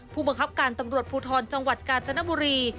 ผู้บังคับการตำรวจภูทรจังหวัดกาญจนบุรี